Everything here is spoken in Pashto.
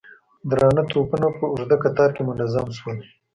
درانه توپونه په اوږده کتار کې منظم شول.